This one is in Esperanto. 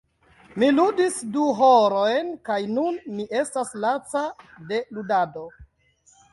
Mi ludis du horojn kaj nun mi estas laca de ludado.